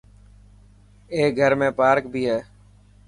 اي گھر ۾ پارڪ به هي.